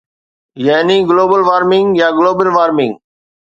يعني global warming يا global warming